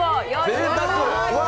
ぜいたく！